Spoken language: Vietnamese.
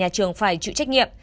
nhà trường phải chịu trách nhiệm